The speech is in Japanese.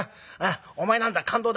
お前なんざ勘当だ。